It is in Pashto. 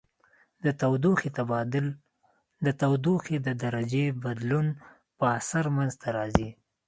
د تودوخې تبادل د تودوخې د درجې بدلون په اثر منځ ته راځي.